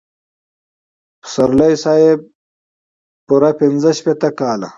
پسرلي صاحب پوره پنځه شپېته کاله.